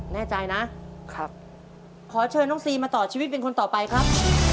แน่ใจนะครับขอเชิญน้องซีมาต่อชีวิตเป็นคนต่อไปครับ